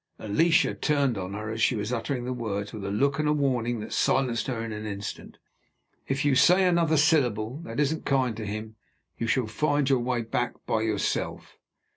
Alicia turned on her as she was uttering the words, with a look and a warning that silenced her in an instant: "If you say another syllable that isn't kind to him, you shall find your way back by yourself!"